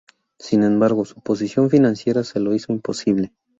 Sin embargo, su posición financiera se lo hizo imposible.